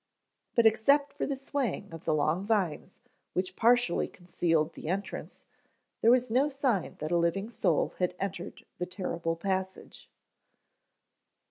But, except for the swaying of the long vines which partially concealed the entrance, there was no sign that a living soul had entered the terrible passage.